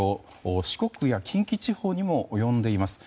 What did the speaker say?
四国や近畿地方にも及んでいます。